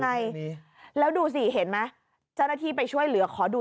ไงแล้วดูสิเห็นไหมเจ้าหน้าที่ไปช่วยเหลือขอดู